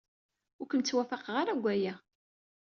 Ur kem-ttwafaqeɣ ara deg waya.